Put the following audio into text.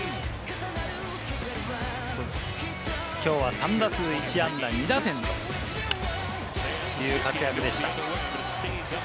きょうは３打数１安打２打点という活躍でした。